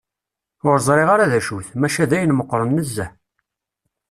Ur ẓriɣ ara d acu-t, maca d ayen meqqren nezzeh.